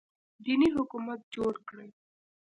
دیني حکومت جوړ کړي